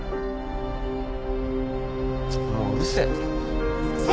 もううるせえ。